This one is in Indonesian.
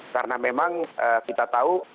karena memang kita tahu